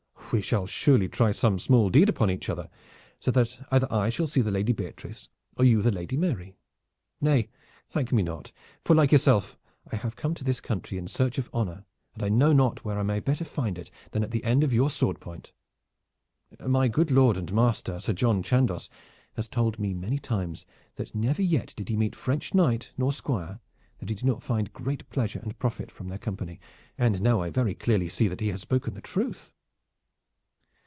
"We shall surely try some small deed upon each other, so that either I shall see the Lady Beatrice, or you the Lady Mary. Nay, thank me not, for like yourself, I have come to this country in search of honor, and I know not where I may better find it than at the end of your sword point. My good lord and master, Sir John Chandos, has told me many times that never yet did he meet French knight nor squire that he did not find great pleasure and profit from their company, and now I very clearly see that he has spoken the truth."